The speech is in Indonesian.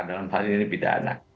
dalam hal ini pidana